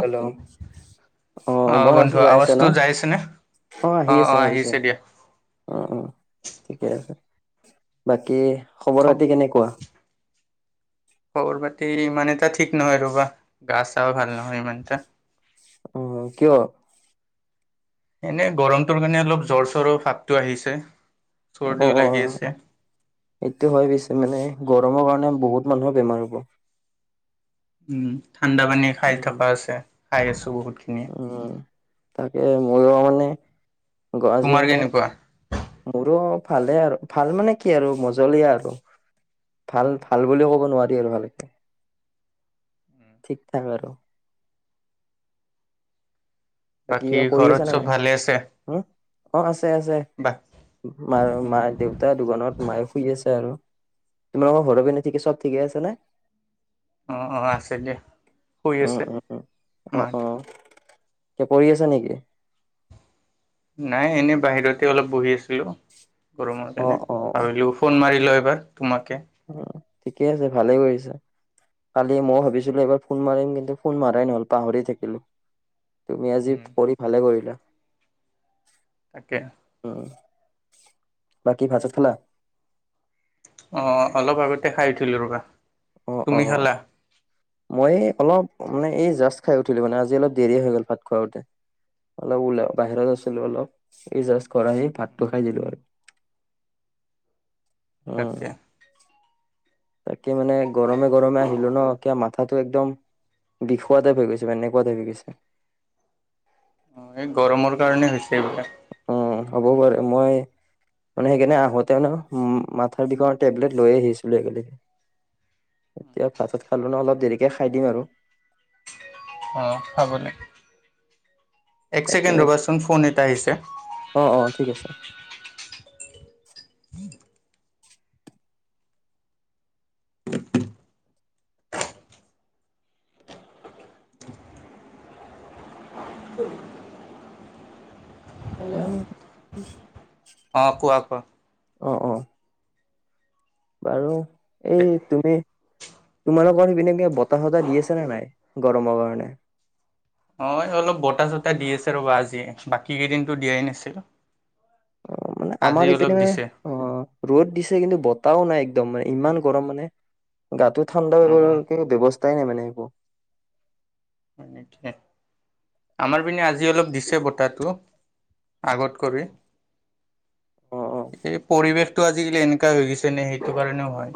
Hello. অ মই আছো বন্ধু যাই আছে ন, আৱাজটো যাই আছেনে অঁ আহি অ অ আছে আহি আছে। আহিছে দিয়া অ অ ঠিকে আছে । বাকী খ খবৰ-খাতি কেনেকুৱা? খবৰ বাতি ইমান এটা ঠিক নহয় ৰবা! গা চা ভাল নহয় ইমানটা । আহ কিয়? এনে গৰমটোৰ কাৰণে অলপ জ্বৰ চৰৰ ভাৱটো আহিছে । অ, সেইটো হয় পিছে মানে গৰমৰ কাৰণে বহুত মানুহৰ বেমাৰ হ'ব উম ঠাণ্ডা পানী খাই উম থকা হৈছে । খাই আছো বহুত উম । তাকে মোৰ মানে আজি তোমাৰ মানে কেনেকুৱা মোৰো ভালে আৰু । ভাল মানে কি আৰু মজলীয়া আৰু ভাল, ভাল বুলিও ক'ব নোৱাৰি আৰু ভালেকে ঠিক থাক আৰু বাকী কিবা কৰি ঘৰত আছা নে চব নাই? ভালে আছে হম অ আছে আছে বা । মাৰ মা -দেউতা দোকানত । মায়ে শুই আছে আৰু তোমালোকৰ ঘৰৰ পিনে ঠিকে চব ঠিকেই আছে নে? অ অ আছে দিয়া । শুই উম, আছে উম, উম। মা অ', অ', কিবা পঢ়ি আছা নেকি? নাই এনেই বাহিৰতে অলপ বহি আছিলোঁ । গৰমৰ অ', কাৰণে । অ', ভাবিলো ফোন মাৰি লওঁ এবাৰ তোমাকে উম। ঠিকে আছে ।ভালেই কৰিছা কালি ময়ো ভাবিছিলোঁ এবাৰ ফোন মাৰিম কিন্তু ফোন মাৰাই নহল পাহৰি থাকিলোঁ তুমি আজি উম কৰি ভালে কৰিলা তাকে উম উম । বাকী ভাত-ছাত খালা? অ অলপ আগতে খাই উঠিলো ৰবা অ অ তুমি খালা? মই অলপ মানে এই জাষ্ট খাই উঠিলোঁ । মানে আজি অলপ দেৰি হৈ গ'ল ভাত খাওঁতে অলপ ওলাই বাহিৰত আছিলো অলপ ।এই জাষ্ট আহি ভাতটো খাই দিলোঁ আৰু [inaudible] উম তাকে । এই মানে গৰমে গৰমে আহিলো ন । এ কিয় মাত কথাটো একদম বিখুৱা টাইপ হৈ গৈছে মানে এনেকুৱা টাইপ হৈ গৈছে অ এই গৰমৰ কাৰণে হৈছে এইবিলাক । উম হ'ব পাৰে মই মানে সেইকাৰণে আহোতে মানে মাথাৰ বিষৰ টেবলেট লৈ আহিছিলো একেলগে এতিয়া ভাত-ছাত খালো ন অলপ দেৰিকে খাই দিম আৰু । অ খাবলৈ এক তাকে ছেকেণ্ড ৰ'বাচোন ফোন এটা আহিছে অ', অ', ঠিক আছে। [unintelligible] উম । অ কোৱা কোৱা অ অ বাৰু এই তুমি তোমালোকৰ সেইপিনে কি বতাহ-চতাহ দি আছে নে নাই গৰমৰ কাৰণে? অ অলপ বতাহ চতাহ দি আছে ৰ'বা আজি বাকী কেইদিনো দিয়াই নাছিল অ মানে আজি আমাৰ অলপ ইপিনে দিছে অ ৰ'দ দিছে কিন্তু বত টাও নাই একদম মানে ইমান গৰম মানে গাটো ঠাণ্ডাৰ অ', কাৰণে ব্যৱস্থাও উপায় নাই মানে এইবোৰ তাকেহে আমাৰ পিনে আজি অলপ দিছে বতাহটো । আগত কৰি অ', অ', এই পৰিৱেশটো আজিকালি এনকা হৈ গৈছে নে সেইটো কাৰণেও হয়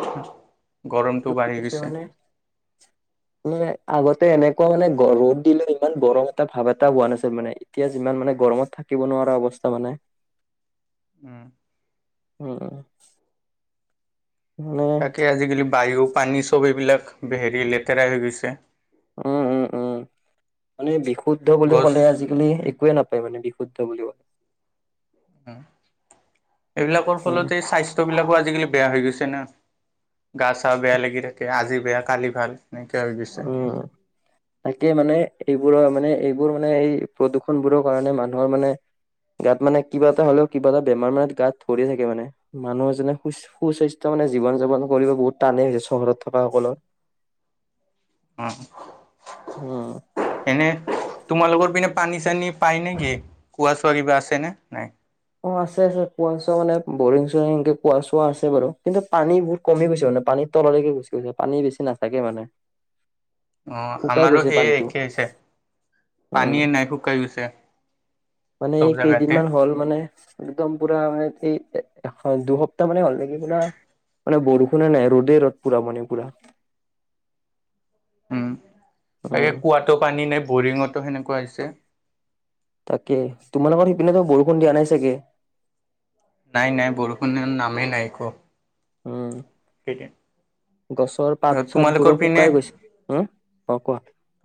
গৰমটো বাঢ়ি সটোছে গৈছে। মানে মানে আগত এনেকুৱা মানে ৰ'দ দিলে ইমান গৰম এটা ভাৱ এটা হোৱা নাছিল মানে এতিয়া যিমান মানে গৰমত থাকিব নোৱাৰে ৰা অৱস্থা মানে উম উম মানে তাকে আজিকালি বায়ু, পানী চব এইবিলাক হেৰি লেতেৰা হৈ গৈছে। উম, উম, উম মানে বিশুদ্ধ বুলি গছ ক'লে আজিকালি একোয়ে নাপ ই মানে বিশুদ্ধ বুলি ক উম এইবিলাকৰ উম ফলতে স্বাস্থ্য বিলাকো আজি আজিকালি বেয়া হৈ গৈছে না। গা চা বেয়া লাগি থাকে আজি বেয়া কালি ভাল। এনেকুৱা হৈ গৈছে উম তাকে মানে এইবোৰৰ মানে এইবোৰ মানে এই প্ৰদূষণবোৰৰ কাৰণে মানুহৰ মানে গাত মানে কিবা এটা হ'লেও কিবা এটা বেমাৰ মানে গাত ধৰি থাকে মানে মানুহ এজনে সু-সু স্বাস্থ্য মানে জীৱন যাপন কৰিব বহুত টানেই হৈছে চহৰত থকা সকলৰ। [inaudible] উম। উম। তোমালোকৰ পিনে পানী চানী পাই নেকি? কোৱা চোৱা কিবা আছে নে নাই? অ আছে, আছে। কোৱা চোৱা মানে বৰিং চৰিং এনকে কোৱা চোৱা আছে বাৰু কিন্তু পানী বহুত কমি গৈছে মানে। পানীৰ তললৈকে গুচি গৈছে। পানী বেছি নাথাকে মানে। [inaudible] অ শুকাই আমাৰো গৈছে সেয়ে পানীটো একেই হৈছে। উম পানীয়ে নাই শুকাই গৈছে। মানে চব এই জাগাতে কেইদিনমান হ'ল মানে একদম পুৰা মানে এই এ দুসপ্তাহ মানে হ'ল নেকি পুৰা মানে বৰষুণে নাই ৰ'দেই ৰ'দ পুৰা মানে পুৰা। [inaudible] উম উম তাকে কুৱাতো পানী নাই, বৰিঙতো সেনেকুৱা হৈছে। তাকে তোমালোকৰ সিপিনেতো বৰষুণ দিয়া নাই চাগে? নাই, নাই বৰষুণৰ নামেই নাই একো। উম সেইটোএ গছৰ পাত চাত বোৰো পিনে শুকাই গৈছে, হু।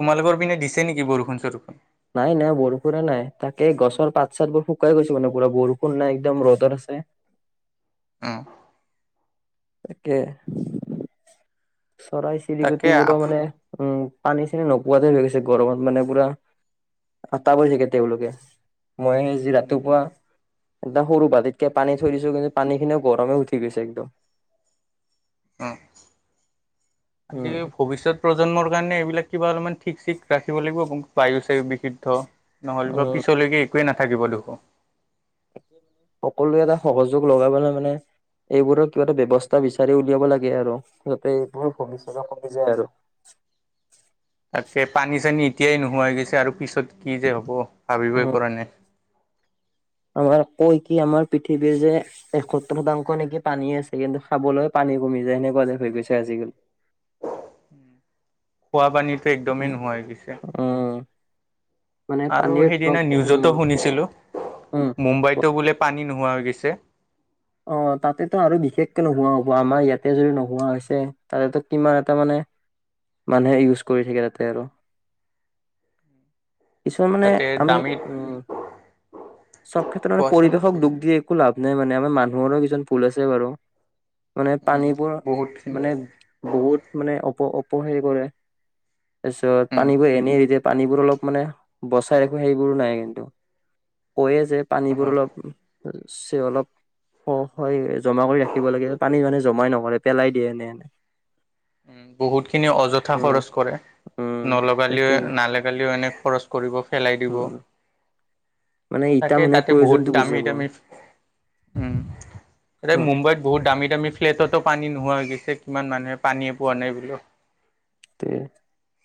তোমালোকৰ পিনে দিছে নেকি বৰষুণ চৰষুণ। নাই, নাই বৰষুণে নাই। তাকেই গছৰ পাত চাত বোৰ শুকাই গৈছে মানে পুৰা বৰষুণ নাই, একদম ৰ'দত আছে। উম। তাকে চৰাই তাকে চিৰিকতিবোৰো মানে আপ উম। পানী চানি নোপোৱা যেন হৈ গৈছে। গৰমত মানে পুৰা আটাহ পাৰি থাকে তেওঁলোকে। মই আজি ৰাতিপুৱা একদম সৰু বাল্টিতকে পানী থৈ দিছো কিন্তু পানী খিনিও গৰমে উঠি গৈছে একদম। উম ভৱিষ্যত প্ৰজন্মৰ কাৰণে এইবিলাক কিবা অলপমান ঠিক চিক ৰাখিব লাগিব আ বায়ু চায়ু বিশুদ্ধ নহ'লে বা উম পিছলৈকে একোৱে নাথাকিব দোখো। সকলোৱে এটা সহযোগ লগাবলৈ মানে এইবোৰৰ কিবা এটা ব্যৱস্থা বিচাৰি উলিয়াব লাগে আৰু যাতে এইবোৰ ভৱিষ্যতে কমি যায় আৰু। তাকে পানী চানী এতিয়াই নোহোৱা হৈ গৈছে আৰু পিছত কি যে হ'ব ভাবিবই উম পৰা নাই। আমাৰ কৈ কি আমাৰ পৃথিৱীৰ যে এসত্তৰ শতাংশ নেকি পানী আছে কিন্তু খাবলৈ পানী ক মি যাই এনেকুৱা যেন হৈ গৈচে আজি কালি। খোৱা পানীটো একদমেই উম নোহোৱা হৈ গৈছে। উম মানে আৰু পানীৰ অলপ সেইদিনা উম নিউজতো শুনিছিলো উম মুম্বাইতো বোলে পানী নোহোৱা হৈ গৈছে। অ তাতেটো আৰু বিশেষকে নোহোৱা হব আমাৰ ইয়াতে যদি নোহোৱা হৈছে তাতেতো কিমান এটা মানে হয় মানুহে ইউজ কৰি থাকে তাতে আৰু উম কিছুমান মানে আমি উ চব ক্ষেত্ৰত মানে কোৱাচোন পৰিৱেশক দুখ দি একো লাভ নাই মানে মানু কিছু ভুল আছে বাৰু। মানে উম পানীবোৰ বহুতখিনি মানে বহুত মানে অপ অপহেৰি কৰে। তাৰ পিছত উম পানীবোৰ এনেই এৰি দিয়ে পানীবোৰ অলপ মানে বচাই ৰাখো সেইবোৰো নাই কিন্তু। পৰে যে অ পানীবোৰ অলপ অলপ। অ হয় জমা কৰি ৰাখিব লাগে পানী জমাই নকৰে পেলাই দিয়ে এনে এনে উ বহুত খিনি অযথা উম খৰচ কৰে। উম নলাগেলেও তাকে নলাগেলেও এনে খৰচ কৰিব পেলাই দিব অ', মানে ইটা তাকে মানে তাতে বহুত প্ৰয়োজনটো বুজি দামী পাব দামী। উম এ উম, মুম্বাইত বহুত দামী দামী ফ্লেট। পানী নোহোৱা হৈ গৈছে কিমান মানুহে পানীয়ে পোৱা নাই বোলো।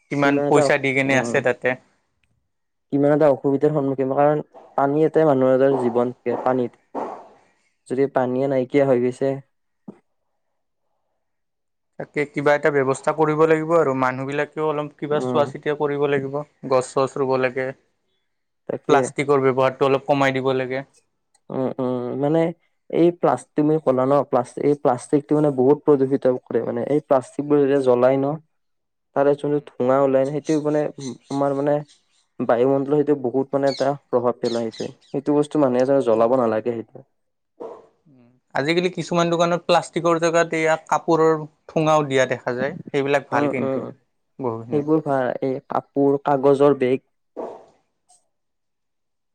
কিমান এটা পইচা দি কেনে আছে অ', তাতে। কিমান এটা অসুবিধাৰ সন্মুখীন কাৰণ পানী এটা মানুহ এ জীৱ। বন থে পানীত যদি পানীয়ে নাইকিয়া হৈ গৈছে। তাকে কিবা এটা ব্যৱস্থা কৰিব লাগিব আৰু মানুহ বিলাক অলপ কিবা উম, চোৱা চিতা কৰিব লাগিব গছ চছ ৰুব লাগে। তাকে প্লাষ্টিকৰ ব্যৱহাৰটো অলপ কমাই দিব লাগে । উ মানে এই প্লা তমি কলা ন প্লা এই প্লাষ্টিক টো মানে বহুত প্ৰযূষিত কৰে মানে। প্লাষ্টিক বোৰ যেতিয়া জ্বলাই ন। তাৰে চোন ধোৱা ওলাই ন সেইটো মানে আমাৰ মানে। বায়ুমণ্ডলৰ সেইটো বহুত মানে এটা প্ৰভাৱ পেলায় সেইটো‌, সেইটো বস্তু মানুহে জ আজিকালি কিছুমান দোকানত প্লাষ্টিক জেগাত ইয়াক কাপোৰৰ ঠোঙাও দিয়া দেখা যায়। সেইবিলাক ভাল উম কিন্তু উম বহুখিনি সেইবোৰ ভ এই কাপোৰ কাগজৰ বেগ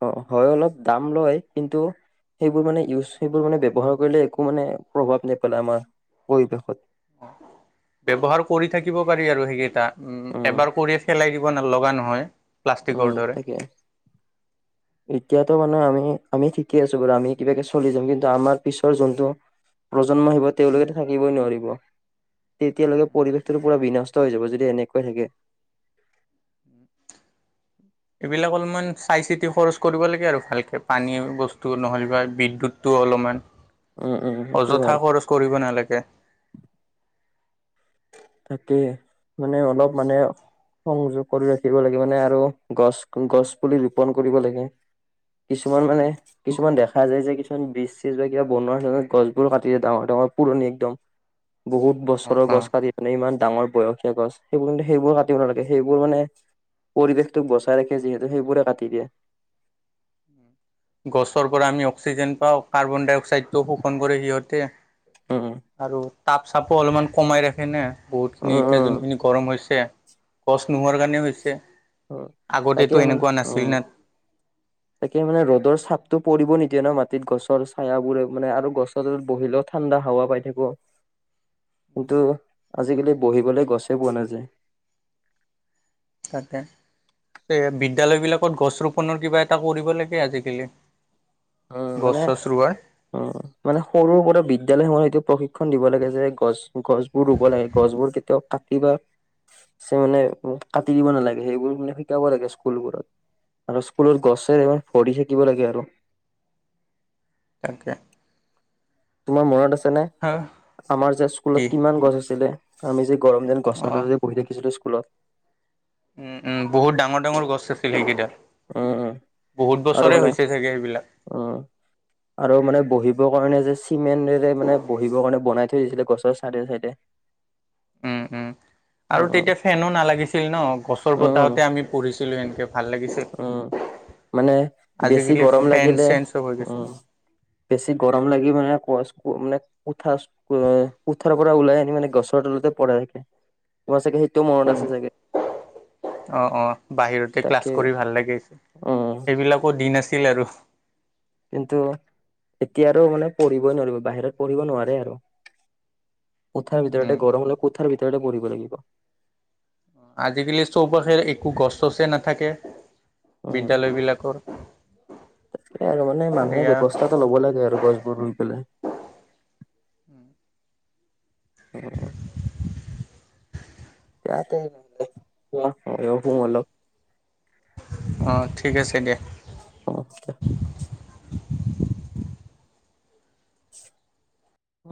অ হয় অলপ দাম লয় কিন্তু সেইবোৰ মানে ইউজ সেইবোৰ মানে ব্যৱহাৰ কৰিলে একো মানে প্ৰভাৱ নেপেলাই আমাৰ পৰিৱেশত। অ ব্যৱহাৰ কৰি থাকিব পাৰি আৰু সেইকেইটা উম এবাৰ কৰিয় পেলাই দিব ন লগা নহয়। উম প্লাষ্টিকৰ দৰে তাকে এতিয়া বৰ্তমানে আমি আমি ঠিকে আছো বাৰু আমি কিবাকে চলি যাম কিন্তু আমাৰ পিছৰ যোনটো প্ৰজন্ম আহিব তেওঁলোকেতো থাকিবই নোৱাৰিব। তেতিয়ালৈকে পৰিৱেশটো পুৰা বিনষ্ট হৈ যাব যদি এনেকোৱাই থাকে। উম এইবিলাক অলপমান চাই চিতি খৰচ কৰিব লাগে আৰু ভালকে পানী বস্তু। নহব বিদ্যুৎটো অলপমান উম উম সেইটো অযথা হয় খৰচ কৰিব নালাগে । তাকে মানে অলপ মানে। সংযোগ কৰি ৰাখিব লাগে মানে আৰু গছ গছ পুলি ৰোপন কৰিব লাগে। কিছুমান মানে কিছুমান দেখা যায় যে কিছুমান, ব চীজ বা কিবা বনোৱা হৈছে গছবোৰ কাটি য ডাঙৰ ডাঙৰ পুৰণি একদম বহুত অ বছৰৰ অ গছ কাটি মানে ইমান ডাঙৰ বয়সীয়া গছ সেইবোৰ কিন্তু সেইবোৰ কাটিব নালাগে সেইবোৰ মানে পৰিৱেশটোক বচাই ৰাখে যিহেতু সেইবোৰে কাটি দিয়ে। উম গছৰ পৰা আমি অক্সিজেন পাওঁ কাৰ্বন ডাই অক্সাইডটোও শোষণ কৰে সিহঁতে উম আৰু তাপ চাপো অলপমান কমাই ৰাখে নে বহুতখিনি উম এতিয়া উম যোনখিনি গৰম হৈছে। গছ নোহোৱাৰ কাৰণে হৈছে উম তাকে আগতেতো মানে এনেকুৱা নাছিল উম ন, তাকে মানে ৰ'দৰ চাপটো পৰিব নি দিয়ে মাটিত গছৰ ছায়াবোৰে মানে আৰু গছৰ বহিলেও ঠাণ্ডা হাৱা পাই থাকো। কিন্তু আজিকালি বহিবলৈ গছে পোৱা নাযায়। তাকে বিদ্যালয় বিলাকত গছ ৰোপনৰ কিবা এটা কৰিব লাগে আজিকালি উম গছ মানে চছ ৰোৱাৰ উম মানে সৰুৰ পৰা বিদ্যালয় সমূহৰ এইটো প্ৰশি ক্ষণ দিব লাগে যে গছ গছ বোৰ ৰুব লাগে গছবোৰ কেতিয়াও কাটি বা চ মানে কাটি দিব নালাগে সেইবোৰ মানে শিকাব লাগে স্কুলবোৰত। আৰু স্কুলৰ গছে ভৰি থাকিব লাগে আৰু তাকে তোমাৰ মনত আছে নে হা আমাৰ যে কি স্কুলত কিমান গছ আছিলে আমি যে গৰম দিনত গছৰ অ তলত যে বহি থাকিছিলো স্কুলত। উম উম বহুত ডাঙৰ ডাঙৰ গছ আছিল সেইকেইটা উম উম বহুত আৰু বছৰে মানে হৈছে চাগে সেইবিলাক। উম আৰু মানে বহি বৰ কাৰণে যে চিমেণ্টৰে মানে বহিবৰ কাৰণে বনাই থৈ দিছিলে গছৰ চাইডে চাইডে। উম উম আৰু উম তেতিয়া ফেনো নালাগিছিল ন গছৰ উম উম বতাহতে আমি পঢ়িছিলো এনেকে উম মানে বেছি আজিকালি গৰম ফেন লাগিলে চেন চব হৈ গৈছে উম বেছি গৰম লাগি মানে কোৱাচ মানে কোঠা কোঠাৰ পৰা ওলাই আনি মানে গছৰ তলতে পঢ়াই তোমাৰ চাগে সেইটোও মনত আছে চাগে। [unintelligible] অ অ বাহিৰতে ক্লাছ তাকে কৰি ভাল লাগে অ সেইবিলাকো দিন আছিল আৰু কিন্তু এতিয়া আৰু মানে পঢ়িবই নোৱাৰিব বাহিৰত পঢ়িব নোৱাৰে আৰু [inaudible] কোঠাৰ উম, ভিতৰতে গৰম হলে কোঠাৰ ভিতৰতে পঢ়িব লাগিব থাকে বিদ্যালয় বিলাকৰ তাৰ আৰু মানে মানুহে ব্যৱস্থাটো ল'ব লাগে আৰু গছবোৰ ৰুই পেলাই। উম। উম তাতে মইয়ো শু অলপ অ ঠিক আছে দিয়া। অ [unintelligible] [unintelligible]